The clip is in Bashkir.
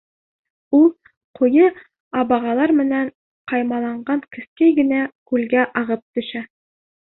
Ул ҡуйы абағалар менән ҡаймаланған кескәй генә күлгә ағып төшә.